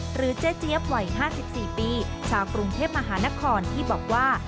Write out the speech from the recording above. เจ๊เจี๊ยบวัย๕๔ปีชาวกรุงเทพมหานครที่บอกว่า